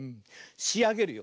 しあげるよ。